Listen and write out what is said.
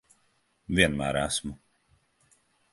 Vienmēr esmu.